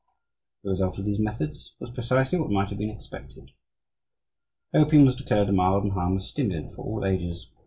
The result of these methods was precisely what might have been expected. Opium was declared a mild and harmless stimulant for all ages.